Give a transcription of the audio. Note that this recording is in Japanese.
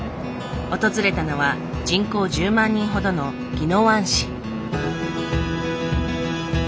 訪れたのは人口１０万人ほどの宜野湾市。